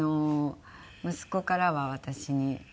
息子からは私にそう。